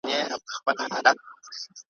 هغه غوښته دتداوۍ دپاره